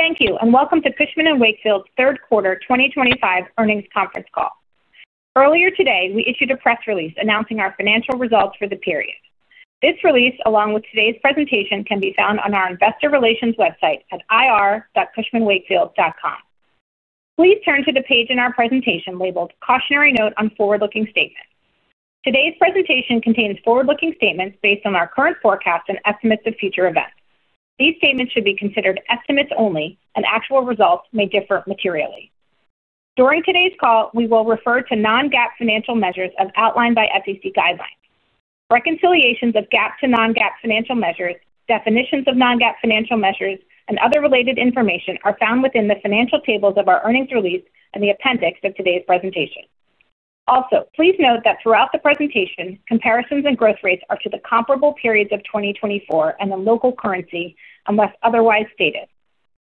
Thank you and welcome to Cushman & Wakefield's third quarter 2025 earnings conference call. Earlier today we issued a press release announcing our financial results for the period. This release, along with today's presentation, can be found on our Investor Relations website at ir.cushmanwakefield.com. Please turn to the page in our presentation labeled Cautionary Note on Forward Looking Statements. Today's presentation contains forward looking statements based on our current forecast and estimates of future events. These statements should be considered estimates only, and actual results may differ materially. During today's call we will refer to non-GAAP financial measures as outlined by SEC guidelines. Reconciliations of GAAP to non-GAAP financial measures, definitions of non-GAAP financial measures, and other related information are found within the financial tables of our earnings release and the appendix of today's presentation. Also, please note that throughout the presentation, comparisons and growth rates are to the comparable periods of 2024 and the local currency unless otherwise stated.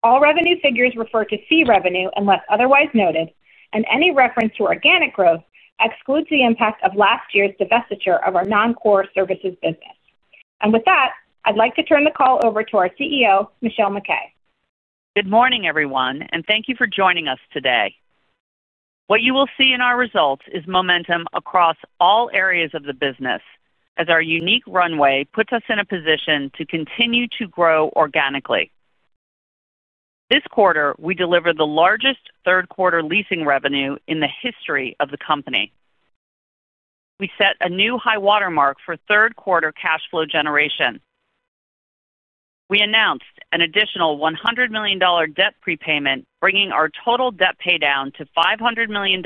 All revenue figures refer to fee revenue unless otherwise noted, and any reference to organic growth excludes the impact of last year's divestiture of our non-core services business. With that, I'd like to turn the call over to our CEO, Michelle MacKay. Good morning everyone, and thank you for joining us today. What you will see in our results is momentum across all areas of the business as our unique runway puts us in a position to continue to grow organically. This quarter we delivered the largest third quarter leasing revenue in the history of the company. We set a new high water mark for third quarter cash flow generation. We announced an additional $100 million debt prepayment, bringing our total debt pay down to $500 million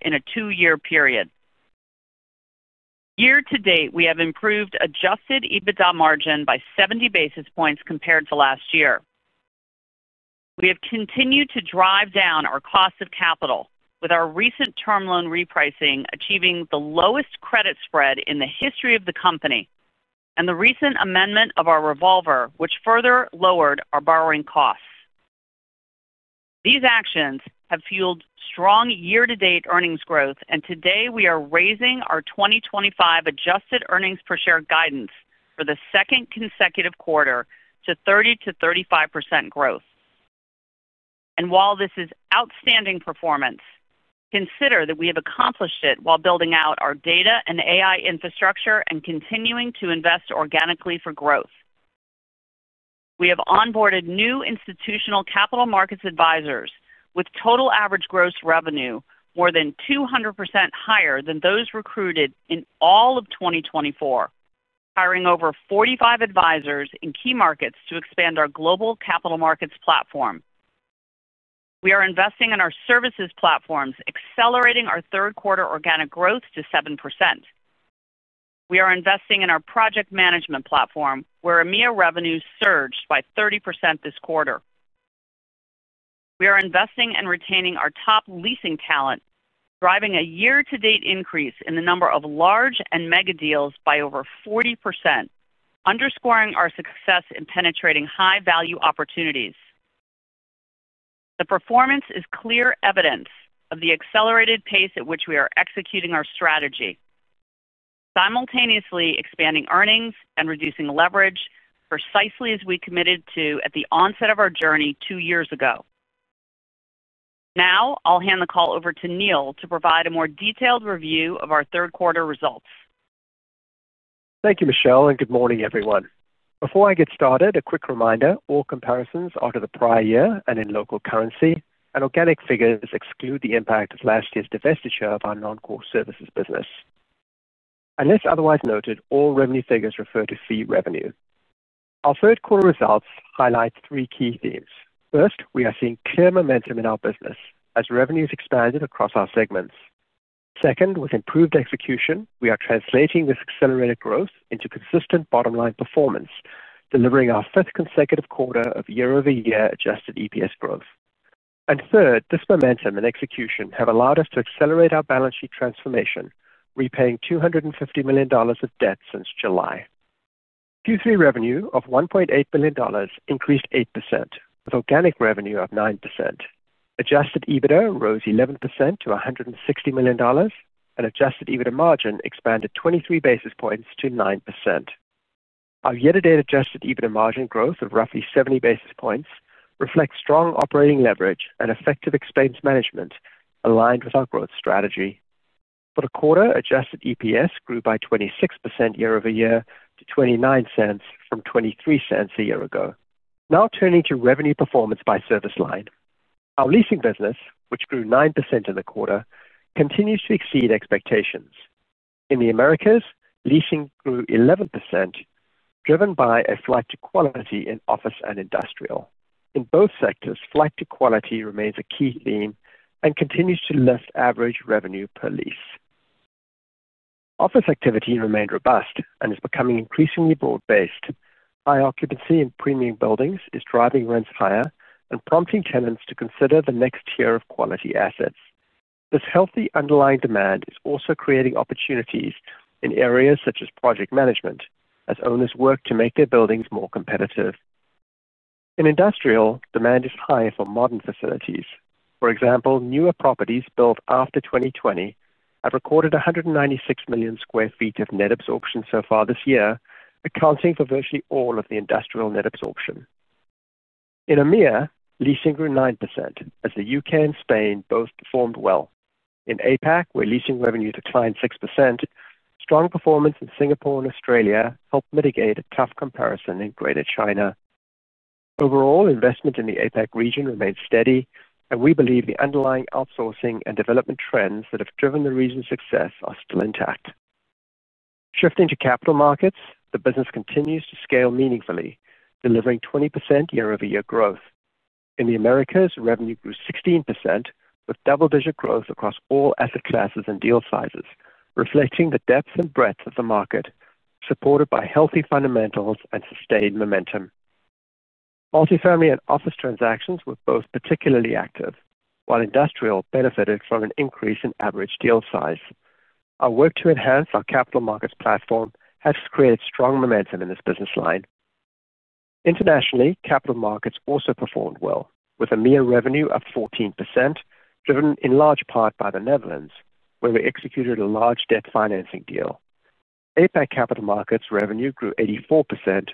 in a two year period. Year to date, we have improved adjusted EBITDA margin by 70 basis points compared to last year. We have continued to drive down our cost of capital with our recent term loan repricing, achieving the lowest credit spread in the history of the company, and the recent amendment of our revolver, which further lowered our borrowing costs. These actions have fueled strong year to date earnings growth, and today we are raising our 2025 adjusted earnings per share guidance for the second consecutive quarter to 30%-35% growth. While this is outstanding performance, consider that we have accomplished it while building out our data and AI infrastructure and continuing to invest organically for growth. We have onboarded new institutional capital markets advisors with total average gross revenue more than 200% higher than those recruited in all of 2024, hiring over 45 advisors in key markets to expand our global capital markets platform. We are investing in our services platforms, accelerating our third quarter organic growth to 7%. We are investing in our project management platform, where EMEA revenues surged by 30% this quarter. We are investing and retaining our top leasing talent, driving a year to date increase in the number of large and megadeals by over 40%, underscoring our success in penetrating high value opportunities. The performance is clear evidence of the accelerated pace at which we are executing our strategy, simultaneously expanding earnings and reducing leverage precisely as we committed to at the onset of our journey two years ago. Now I'll hand the call over to Neil to provide a more detailed review of our third quarter results. Thank you, Michelle, and good morning, everyone. Before I get started, a quick reminder: all comparisons are to the prior year and in local currency, and organic figures exclude the impact of last year's divestiture of our non-core services business. Unless otherwise noted, all revenue figures refer to fee revenue. Our third quarter results highlight three key themes. First, we are seeing clear momentum in our business as revenues expanded across our segments. Second, with improved execution, we are translating this accelerated growth into consistent bottom line performance, delivering our fifth consecutive quarter of year-over-year adjusted EPS growth. Third, this momentum and execution have allowed us to accelerate our balance sheet transformation, repaying $250 million of debt since July. Q3 revenue of $1.8 billion increased 8%, with organic revenue of 9%. Adjusted EBITDA rose 11% to $160 million, and adjusted EBITDA margin expanded 23 basis points to 9%. Our year-to-date adjusted EBITDA margin growth of roughly 70 basis points reflects strong operating leverage and effective expense management. Aligned with our growth strategy for the quarter, adjusted EPS grew by 26% year-over-year to $0.29 from $0.23 a year ago. Now turning to revenue performance by service line, our leasing business, which grew 9% in the quarter, continues to exceed expectations. In the Americas, leasing grew 11%, driven by a flight to quality in office and industrial. In both sectors, flight to quality remains a key theme and continues to lift average revenue per lease. Office activity remained robust and is becoming increasingly broad-based. High occupancy in premium buildings is driving rents higher and prompting tenants to consider the next tier of quality assets. This healthy underlying demand is also creating opportunities in areas such as project management as owners work to make their buildings more competitive. In industrial, demand is high for modern facilities. For example, newer properties built after 2020 have recorded 196 million square feet of net absorption so far this year, accounting for virtually all of the industrial net absorption. In EMEA, leasing grew 9% as the U.K. and Spain both performed well. In APAC, where leasing revenue declined 6%, strong performance in Singapore and Australia helped mitigate a tough comparison in Greater China. Overall investment in the APAC region remains steady and we believe the underlying outsourcing and development trends that have driven the region's success are still intact. Shifting to capital markets, the business continues to scale meaningfully, delivering 20% year-over-year growth. In the Americas, revenue grew 16% with double-digit growth across all asset classes and deal sizes, reflecting the depth and breadth of the market supported by healthy fundamentals and sustained momentum. Multifamily and office transactions were both particularly active, while industrial benefited from an increase in average deal size. Our work to enhance our capital markets platform has created strong momentum in this business line. Internationally, capital markets also performed well with EMEA revenue of 14%, driven in large part by the Netherlands where we executed a large debt financing deal. APAC capital markets revenue grew 84%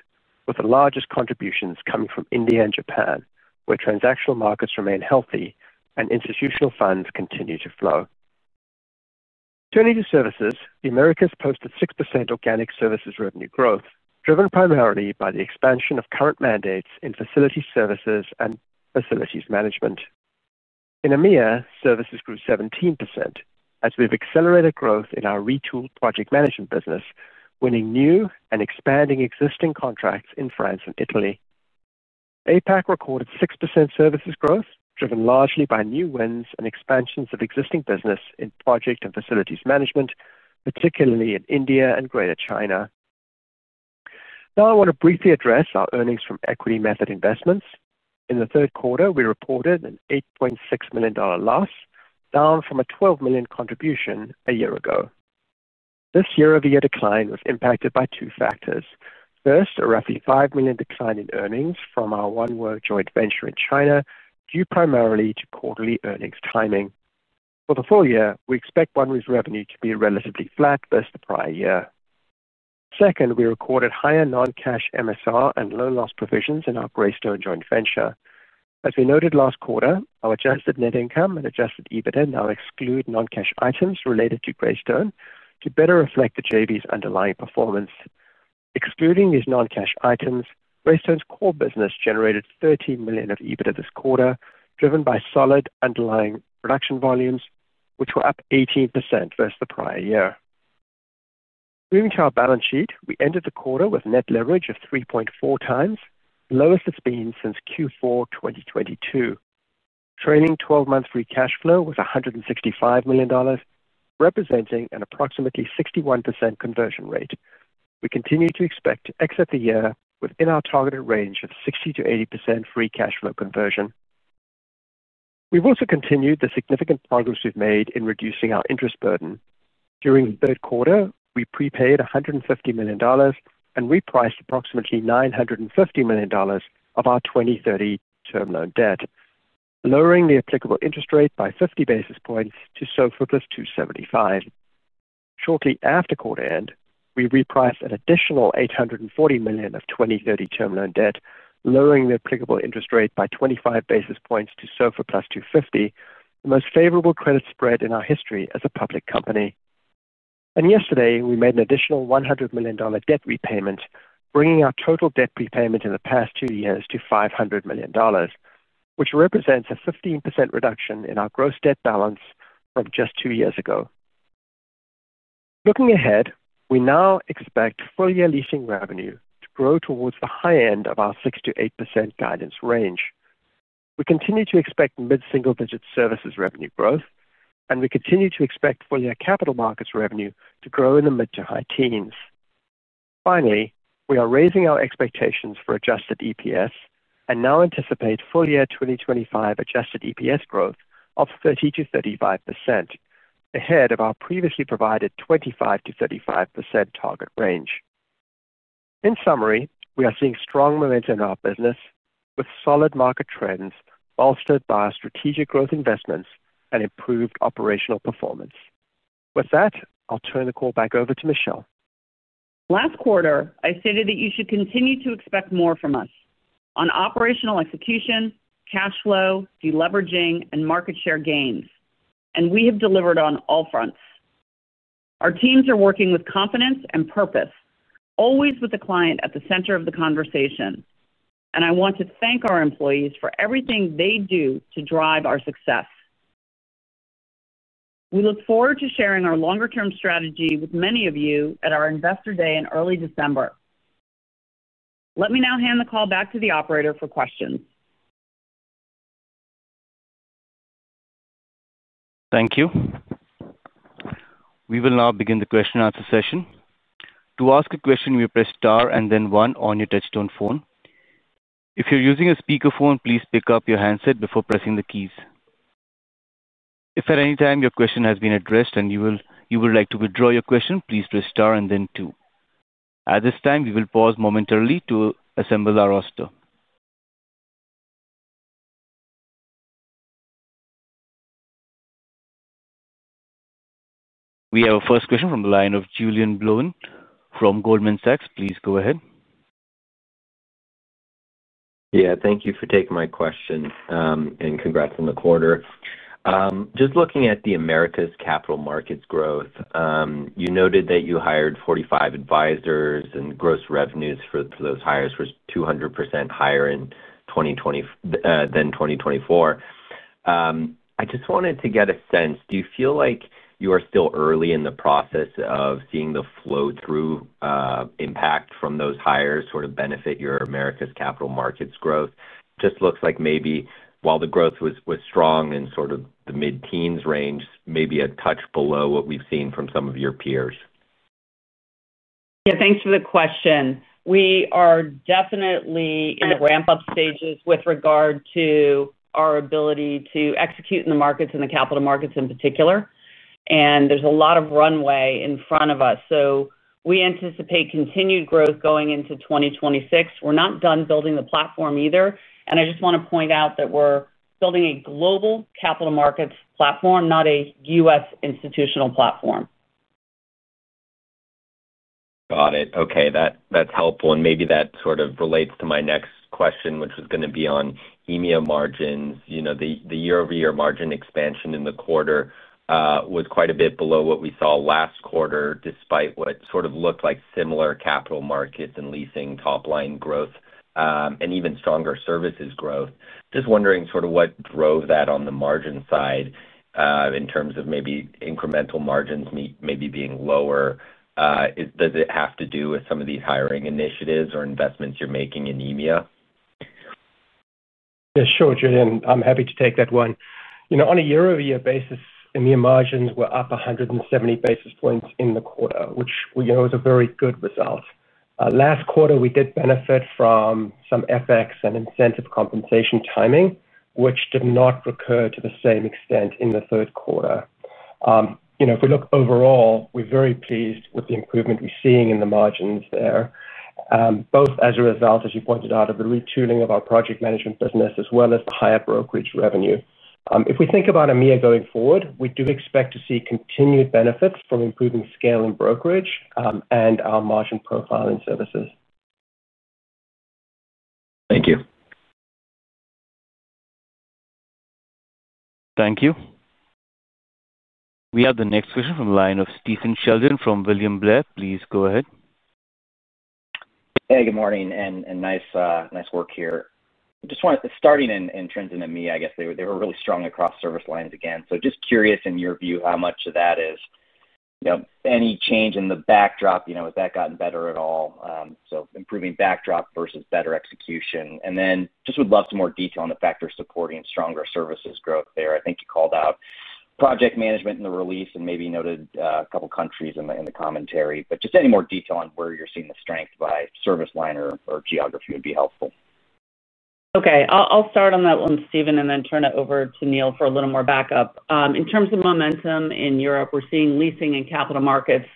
with the largest contributions coming from India and Japan, where transactional markets remain healthy and institutional funds continue to flow. Turning to services, the Americas posted 6% organic services revenue growth, driven primarily by the expansion of current mandates in facility services and facilities management. In EMEA, services grew 17% as we've accelerated growth in our retooled project management business, winning new and expanding existing contracts in France and Italy. APAC recorded 6% services growth, driven largely by new wins and expansions of existing business in project and facilities management, particularly in India and Greater China. Now I want to briefly address our earnings from equity method investments. In the third quarter, we reported an $8.6 million loss, down from a $12 million contribution a year ago. This year over year decline was impacted by two factors. First, a roughly $5 million decline in earnings from our OneWork joint venture in China, due primarily to quarterly earnings timing. For the full year, we expect OneWork's revenue to be relatively flat versus the prior year. Second, we recorded higher non-cash MSR and loan loss provisions in our Greystone joint venture. As we noted last quarter, our adjusted net income and adjusted EBITDA now exclude non-cash items related to Greystone to better reflect the JV's underlying performance. Excluding these non-cash items, Greystone's core business generated $13 million of EBITDA this quarter, driven by solid underlying production volumes which were up 18% versus the prior year. Moving to our balance sheet, we ended the quarter with net leverage of 3.4x, lowest it's been since Q4 2022. Trailing 12 month free cash flow was $165 million, representing an approximately 61% conversion rate. We continue to expect to exit the year within our targeted range of 60%-80% free cash flow conversion. We've also continued the significant progress we've made in reducing our interest burden. During the third quarter, we prepaid $150 million and repriced approximately $950 million of our 2030 term loan debt, lowering the applicable interest rate by 50 basis points to SOFR plus 275. Shortly after quarter end, we repriced an additional $840 million of 2030 term loan debt, lowering the applicable interest rate by 25 basis points to SOFR +250, the most favorable credit spread in our history as a public company. Yesterday, we made an additional $100 million debt repayment, bringing our total debt repayment in the past two years to $500 million, which represents a 15% reduction in our gross debt balance from just two years ago. Looking ahead, we now expect full year leasing revenue to grow towards the high end of our 6%-8% guidance range. We continue to expect mid single digit services revenue growth, and we continue to expect full year capital markets revenue to grow in the mid to high teens. Finally, we are raising our expectations for adjusted EPS and now anticipate full year 2025 adjusted EPS growth of 30% to 35%, ahead of our previously provided 25%-35% target range. In summary, we are seeing strong momentum in our business with solid market trends bolstered by our strategic growth investments and improved operational performance. With that, I'll turn the call back over to Michelle. Last quarter I stated that you should continue to expect more from us on operational execution, cash flow deleveraging, and market share gains, and we have delivered on all fronts. Our teams are working with confidence and purpose, always with the client at the center of the conversation, and I want to thank our employees for everything they do to drive our success. We look forward to sharing our longer term strategy with many of you at our Investor Day in early December. Let me now hand the call back to the operator for questions. Thank you. We will now begin the question and answer session. To ask a question, you press star and then one on your touch-tone phone. If you're using a speakerphone, please pick up your handset before pressing the keys. If at any time your question has been addressed and you would like to withdraw your question, please press star and then two. At this time, we will pause momentarily to assemble our roster. We have a first question from the line of Julien Blouin from Goldman Sachs. Please go ahead. Yeah, thank you for taking my question and congrats on the quarter. Just looking at the Americas capital markets growth, you noted that you hired 45 advisors and gross revenues for those hires was 200% higher than 2024. I just wanted to get a sense. Do you feel like you are still early in the process of seeing the flow through impact from those hires sort of benefit your Americas capital markets growth? Just looks like maybe while the growth was strong in sort of the mid-teens range, maybe a touch below what we've seen from some of your peers. Yeah, thanks for the question. We are definitely in the ramp up stages with regard to our ability to execute in the markets and the capital markets in particular. There's a lot of runway in front of us. We anticipate continued growth going into 2026. We're not done building the platform either. I just want to point out that we're building a global capital markets platform, not a U.S. institutional platform. Got it. Okay, that's helpful. Maybe that sort of relates to my next question which is going to be on EMEA margins. The year over year margin expansion in the quarter was quite a bit below what we saw last quarter, despite what sort of looked like similar capital markets and leasing top line growth and even stronger services growth. Just wondering what drove that on the margin side in terms of maybe incremental margins maybe being lower. Does it have to do with some of these hiring initiatives or investments you're making in EMEA? Yeah, sure, Julien, I'm happy to take that one. You know, on a year over year basis, EMEA margins were up 170 basis points in the quarter, which is a very good result. Last quarter, we did benefit from some FX and incentive compensation timing which did not recur to the same extent in the third quarter. If we look overall, we're very pleased with the improvement we're seeing in the margins there both as a result, as you pointed out, of the retooling of our project management business as well as higher brokerage revenue. If we think about EMEA going forward, we do expect to see continued benefits from improving scale in brokerage and our margin profile in services. Thank you. Thank you. We have the next question from the line of Stephen Sheldon from William Blair. Please go ahead. Hey, good morning and nice work here. Just wanted to start in the Americas and I guess they were really strong across service lines again. Just curious in your view how much of that is any change in the backdrop, has that gotten better at all? Improving backdrop versus better execution, and then just would love some more detail on the factors supporting stronger services growth there. I think you called out project management in the release and maybe noted a couple countries in the commentary, but just any more detail on where you're seeing the strength by service line or geography would be helpful. Okay, I'll start on that one, Stephen, and then turn it over to Neil for a little more backup. In terms of momentum in Europe, we're seeing leasing and capital markets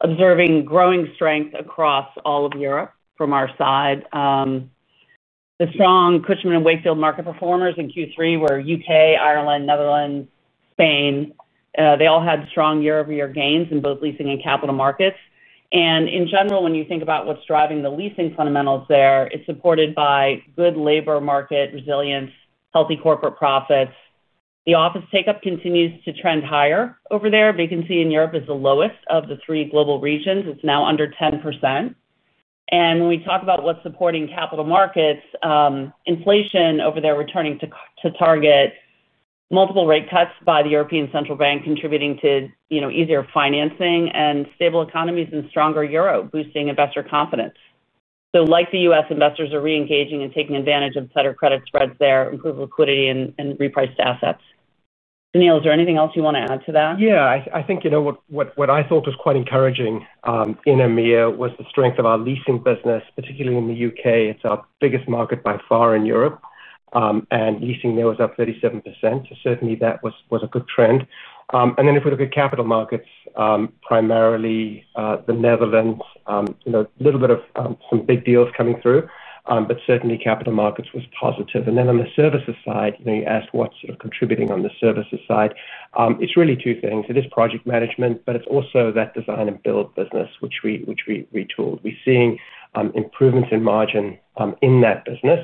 observing growing strength across all of Europe. From our side, the strong Cushman & Wakefield market performers in Q3 were U.K., Ireland, Netherlands, and Spain. They all had strong year-over-year gains in both leasing and capital markets. In general, when you think about what's driving the leasing fundamentals there, it's supported by good labor market resilience and healthy corporate profits. The office take-up continues to trend higher over there. Vacancy in Europe is the lowest of the three global regions. It's now under 10%. When we talk about what's supporting capital markets, inflation over there returning to target, multiple rate cuts by the European Central Bank contributing to easier financing and stable economies, and a stronger euro boosting investor confidence. Like the U.S., investors are reengaging and taking advantage of better credit spreads there, improved liquidity, and repriced assets. Neil, is there anything else you want to add to that? Yeah, I think what I thought was quite encouraging in EMEA was the strength of our leasing business, particularly in the U.K. It's our biggest market by far in Europe, and leasing there was up 37%. Certainly, that was a good trend. If we look at capital markets, primarily the Netherlands, a little bit of some big deals coming through, but certainly capital markets was positive. On the services side, you asked what's contributing on the services side, it's really two things. It is project management, but it's also that design and build business which we tooled. We're seeing improvements in margin in that business,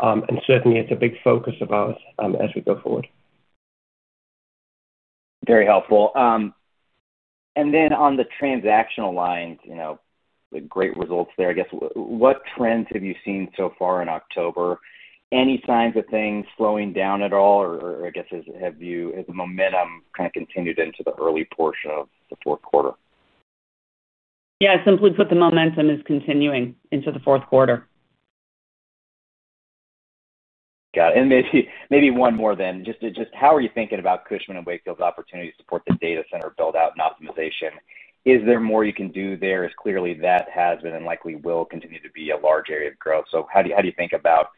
and certainly it's a big focus of ours as we go forward. Very helpful. On the transactional line, great results there I guess. What trends have you seen so far in October? Any signs of things slowing down at all, or have you as the momentum kind of continued into the early portion of the fourth quarter? Yeah, simply put, the momentum is continuing into the fourth quarter. Got it. Maybe one more then. Just how are you thinking about Cushman & Wakefield's opportunities to support the data center build out and optimization? Is there more you can do? There is. Clearly that has been and likely will continue to be a large area of growth. How do you think about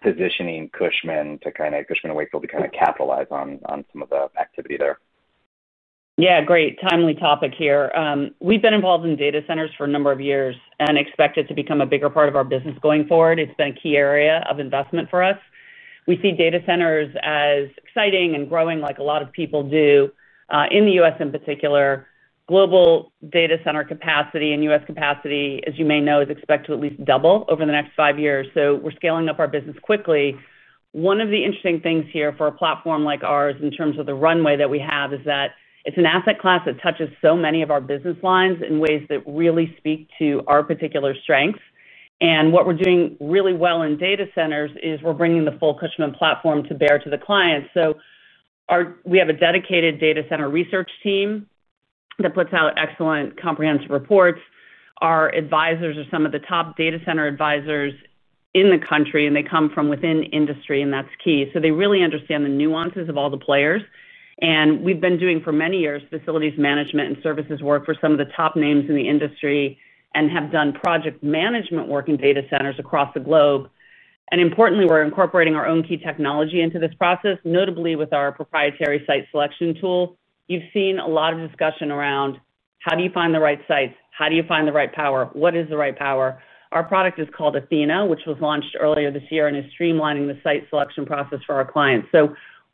positioning Cushman to kind of capitalize on some of the activity there? Yeah, great. Timely topic here. We've been involved in data centers for a number of years and expect it to become a bigger part of our business going forward. It's been a key area of investment for us. We see data centers as exciting and growing like a lot of people do in the U.S. in particular, global data center capacity and U.S. capacity, as you may know, is expected to at least double over the next five years. We're scaling up our business quickly. One of the interesting things here for a platform like ours in terms of the runway that we have is that it's an asset class that touches so many of our business lines in ways that really speak to our particular strengths. What we're doing really well in data centers is we're bringing the full Cushman platform to bear to the clients. We have a dedicated data center research team that puts out excellent, comprehensive reports. Our advisors are some of the top data center advisors in the country and they come from within industry and that's key. They really understand the nuances of all the players. We've been doing for many years facilities management and services work for some of the top names in the industry and have done project management work in data centers across the globe. Importantly, we're incorporating our own key technology into this process, notably with our proprietary site selection tool. You've seen a lot of discussion around how do you find the right sites? How do you find the right power? What is the right power? Our product is called Athena, which was launched earlier this year and is streamlining the site selection process for our clients.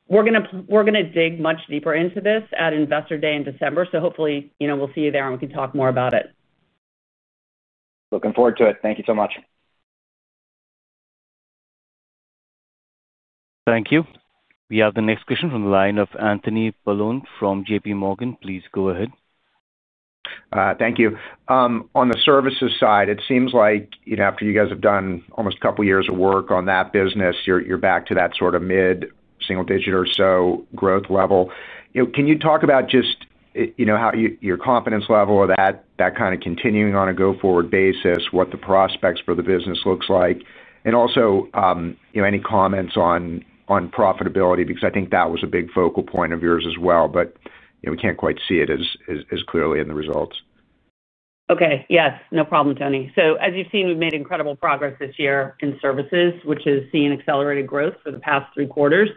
We're going to dig much deeper into this at Investor Day in December. Hopefully we'll see you there and we can talk more about it. Looking forward to it. Thank you so much. Thank you. We have the next question from the line of Anthony Paolone from JPMorgan. Please go ahead. Thank you. On the services side, it seems like after you guys have done almost a couple years of work on that business, you're back to that sort of mid single digit or so growth level. Can you talk about just your confidence level of that kind of continuing on a go forward basis, what the prospects for the business looks like, and also any comments on profitability? I think that was a big focal point of yours as well, but we can't quite see it as clearly in the results. Okay, yes, no problem, Anthony. As you've seen, we've made incredible progress this year in services, which has seen accelerated growth for the past three quarters.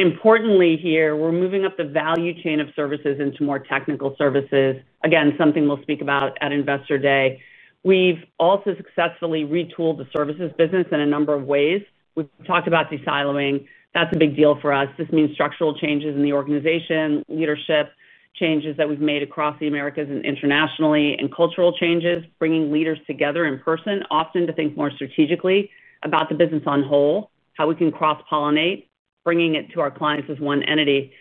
Importantly, we're moving up the value chain of services into more technical services, something we'll speak about at Investor Day. We've also successfully retooled the services business in a number of ways. We talked about desiloing, that's a big deal for us. This means structural changes in the organization, leadership changes that we've made across the Americas and internationally, and cultural changes bringing leaders together in person often to think more strategically about the business as a whole, how we can cross-pollinate, bringing it to our clients as one entity.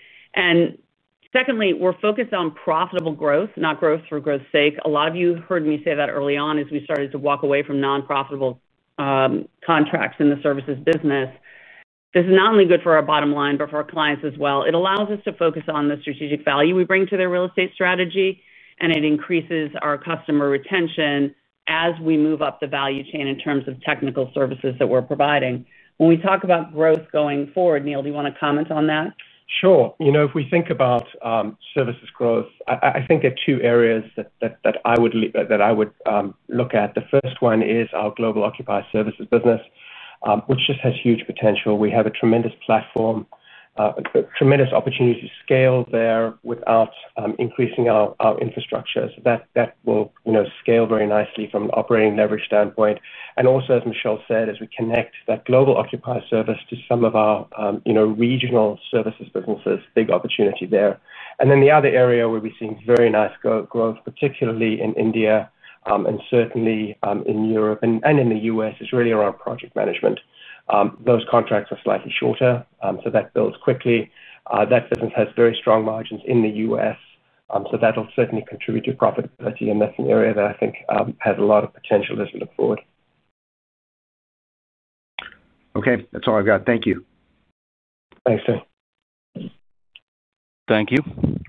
Secondly, we're focused on profitable growth, not growth for growth's sake. A lot of you heard me say that early on as we started to walk away from non-profitable contracts in the services business. This is not only good for our bottom line, but for our clients as well. It allows us to focus on the strategic value we bring to their real estate strategy, and it increases our customer retention as we move up the value chain in terms of technical services that we're providing. When we talk about growth going forward, Neil, do you want to comment on that? Sure. If we think about services growth, I think there are two areas that I would look at. The first one is our global occupier services business, which just has huge potential. We have a tremendous platform, tremendous opportunity to scale there without increasing our infrastructure. That will scale very nicely from an operating leverage standpoint. Also, as Michelle said, as we connect that global occupier service to some of our regional services businesses, big opportunity there. The other area where we've seen very nice growth, particularly in India and certainly in Europe and in the U.S., is really around project management. Those contracts are slightly shorter, so that builds quickly. That business has very strong margins in the U.S., so that'll certainly contribute to profitability. That's an area that I think has a lot of potential as we look forward. Okay, that's all I've got. Thank you. Thanks, Anthony. Thank you.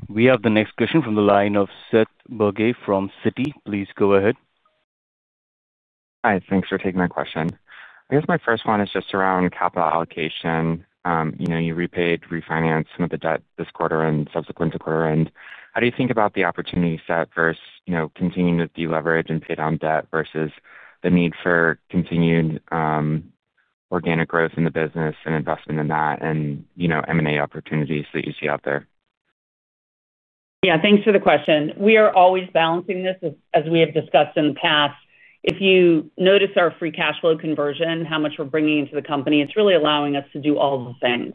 We have the next question from the line of Seth Bogue from Citi. Please go ahead. Hi, thanks for taking my question. I guess my first one is just around capital allocation. You repaid, refinanced some of the debt this quarter and subsequent to quarter end. How do you think about the opportunity set versus continuing to deleverage and pay down debt versus the need for continued organic growth in the business and investment in that and M&A opportunities that you see out there. Yeah, thanks for the question. We are always balancing this. As we have discussed in the past, if you notice our free cash flow conversion, how much we're bringing into the company, it's really allowing us to do all the things,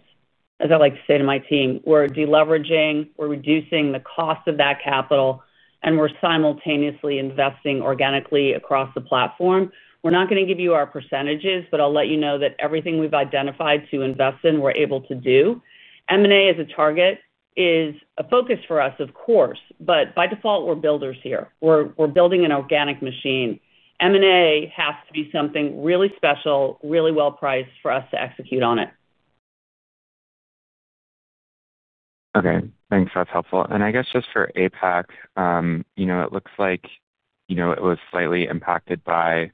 as I like to say to my team, we're deleveraging, we're reducing the cost of that capital, and we're simultaneously investing organically across the platform. We're not going to give you our percentages, but I'll let you know that everything we've identified to invest in, we're able to do. M&A as a target is a focus for us, of course, but by default we're builders here, we're building an organic machine. M&A has to be something really special, really well priced for us to execute on it. Okay, thanks, that's helpful. I guess just for APAC, it looks like it was slightly impacted by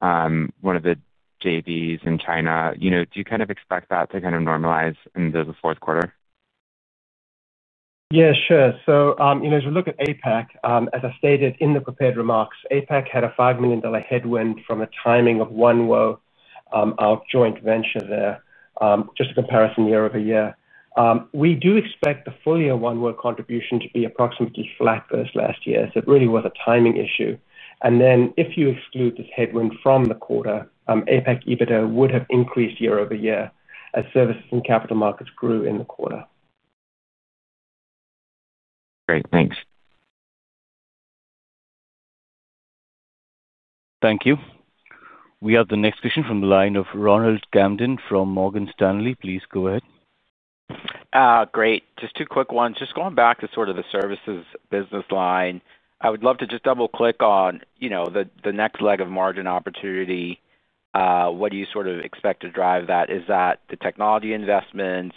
one of the JVs in China. Do you kind of expect that to normalize in the fourth quarter? Yeah, sure. As we look at APAC, as I stated in the prepared remarks, APAC had a $5 million headwind from the timing of one of our joint ventures there, just a comparison year over year. We do expect the full year one work contribution to be approximately flat versus last year. It really was a timing issue. If you exclude this headwind from the quarter, APAC EBITDA would have increased year over year as services and capital markets grew in the quarter. Great, thanks. Thank you. We have the next question from the line of Ronald Kamdem from Morgan Stanley. Please go ahead. Great. Just two quick ones. Going back to the services business line, I would love to just double click on the next leg of margin opportunity. What do you sort of expect to drive that? Is that the technology investments,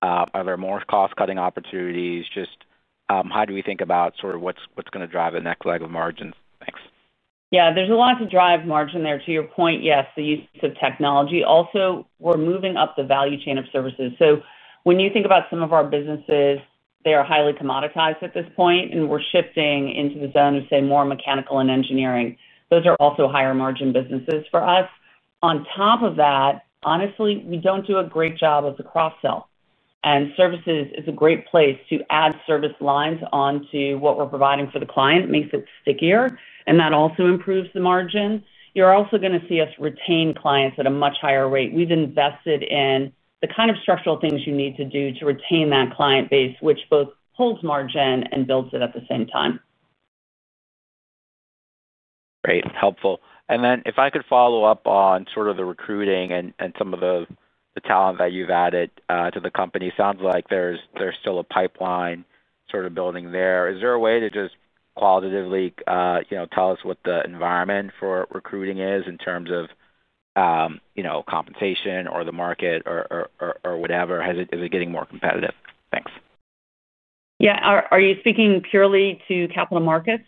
are there more cost cutting opportunities? How do we think about what's going to drive the next leg of margin? Yeah, there's a lot to drive margin there. To your point, yes, the use of technology. Also, we're moving up the value chain of services. So when you think about some of our businesses, they are highly commoditized at this point, and we're shifting into the zone of, say, more mechanical and engineering. Those are also higher margin businesses for us. On top of that, honestly, we don't do a great job of the cross-sell, and services is a great place to add service lines onto what we're providing for the client. Makes it stickier, and that also improves the margin. You're also going to see us retain clients at a much higher rate. We've invested in the kind of structural things you need to do to retain that client base, which both holds margin and builds it at the same time. Great. Helpful. If I could follow up on sort of the recruiting and some of the talent that you've added to the company, it sounds like there's still a pipeline sort of building there. Is there a way to just qualitatively tell us what the environment for recruiting is in terms of compensation or the market or whatever? Is it getting more competitive? Thanks. Yeah. Are you speaking purely to capital markets?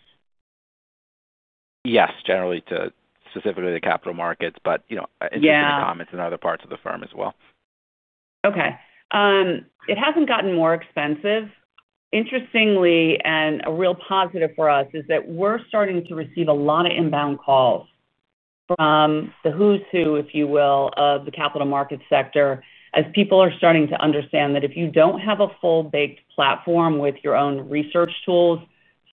Yes, generally to specifically the capital markets, but comments in other parts of the firm as well. Okay. It hasn't gotten more expensive, interestingly. A real positive for us is that we're starting to receive a lot of inbound calls from the who's who, if you will, of the capital markets sector as people are starting to understand that if you don't have a full baked platform with your own research tools,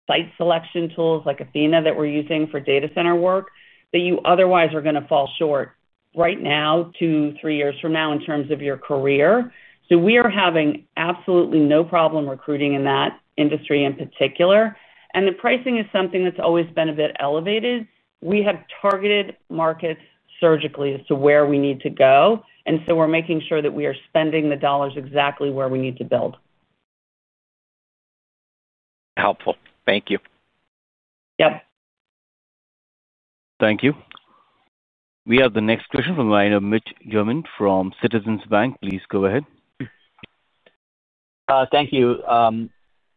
site selection tools like Athena that we're using for data center work, you otherwise are going to fall short right now, two, three years from now in terms of your career. We are having absolutely no problem recruiting in that industry in particular, and the pricing is something that's always been a bit elevated. We have targeted markets surgically as to where we need to go, and we're making sure that we are spending the dollars exactly where we need to build. Helpful. Thank you. Yep. Thank you. We have the next question from Mitchell Germain from Citizens Bank. Please go ahead. Thank you.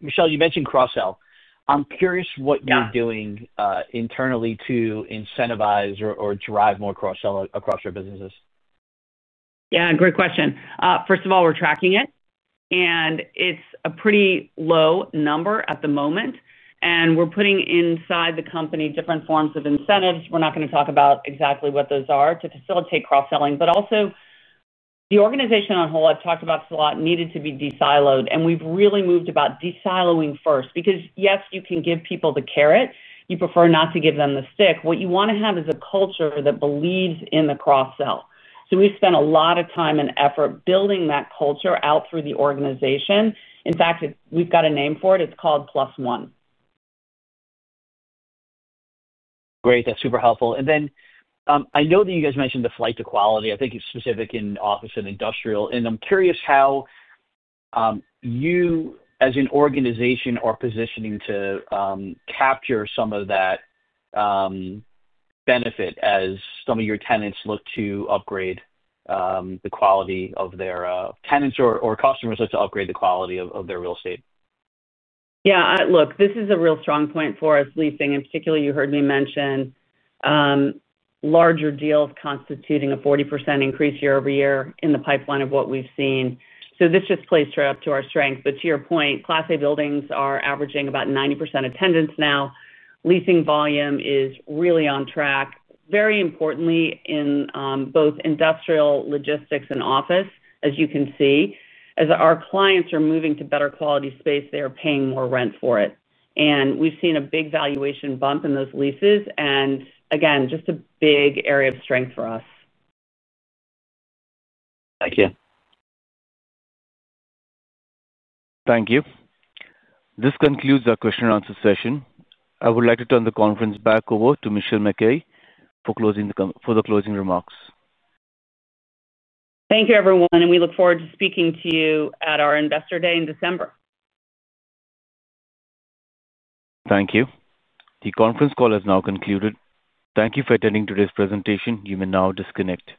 Michelle, you mentioned cross-sell. I'm curious what you're doing internally to incentivize or drive more cross-sell across your businesses. Yeah, great question. First of all, we're tracking it and it's a pretty low number at the moment. We're putting inside the company different forms of incentives. We're not going to talk about exactly what those are to facilitate cross-selling, but also the organization on whole. I've talked about this a lot, needed to be desiloed, and we've really moved about desiloing first because yes, you can give people the carrot, you prefer not to give them the stick. What you want to have is a culture that believes in the cross-sell. We spent a lot of time and effort building that culture out through the organization. In fact, we've got a name for it. It's called Plus One. Great. That's super helpful. I know that you guys mentioned the flight to quality. I think it's specific in office and industrial. I'm curious how you as an organization are positioning to capture some of that benefit as some of your tenants look to upgrade the quality of their tenants or customers look to upgrade the quality of their real estate. Yeah, look, this is a real strong point for us. Leasing in particular, you heard me mention larger deals constituting a 40% increase year over year in the pipeline of what we've seen. This just plays straight up to our strength. To your point, Class A buildings are averaging about 90% attendance now. Leasing volume is really on track, very importantly in both industrial logistics and office. As you can see, as our clients are moving to better quality space, they are paying more rent for it. We've seen a big valuation bump in those leases. Again, just a big area of strength for us. Thank you. Thank you. This concludes our question and answer session. I would like to turn the conference back over to Michelle MacKay for the closing remarks. Thank you, everyone, and we look forward to speaking to you at our Investor Day in December. Thank you. The conference call has now concluded. Thank you for attending today's presentation. You may now disconnect.